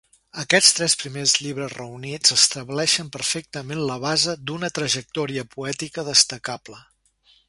Aquests tres primers llibres reunits estableixen perfectament la base d’una trajectòria poètica destacable.